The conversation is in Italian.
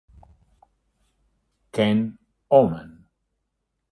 Ken Oman